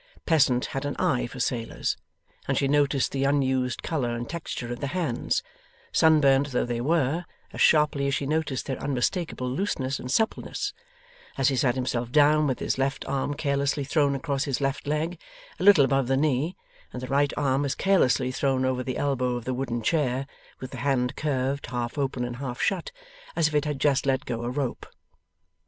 Pleasant had an eye for sailors, and she noticed the unused colour and texture of the hands, sunburnt though they were, as sharply as she noticed their unmistakable looseness and suppleness, as he sat himself down with his left arm carelessly thrown across his left leg a little above the knee, and the right arm as carelessly thrown over the elbow of the wooden chair, with the hand curved, half open and half shut, as if it had just let go a rope.